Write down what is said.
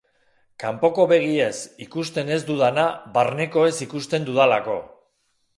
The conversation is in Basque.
Kanpoko begiez ikusten ez dudana barnekoez ikusten dudalako.